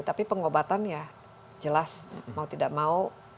tapi pengobatan ya jelas mau tidak mau